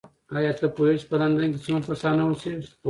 ایا ته پوهېږې چې په لندن کې څومره پښتانه اوسیږي؟